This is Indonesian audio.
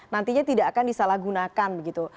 nantinya tidak akan disalahgunakan